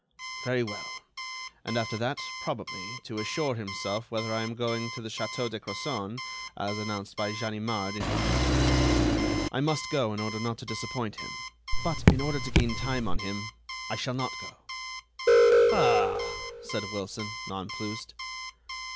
Very well, and, after that, probably, to assure himself whether I am going to the Château de Crozon, as announced by Ganimard in his interview. I must go in order not to disappoint him. But, in order to gain time on him, I shall not go." "Ah!" said Wilson, nonplused.